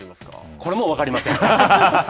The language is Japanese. これも分かりません。